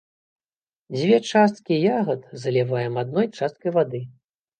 Дзве часткі ягад заліваем адной часткай вады.